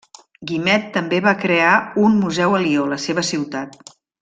Guimet també va crear un museu a Lió, la seva ciutat.